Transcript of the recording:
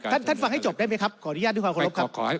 อ่าท่านฟังให้จบได้ไหมครับขออนุญาตทุกคนครบครับ